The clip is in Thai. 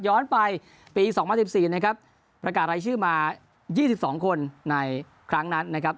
ย้อนไปปี๒๐๑๔นะครับประกาศรายชื่อมา๒๒คนในครั้งนั้นนะครับ